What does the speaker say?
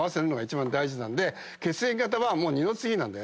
血液型は二の次なんだよ。